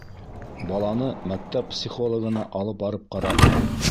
Баланы мәктәп психологына алып барып ҡарағыҙ.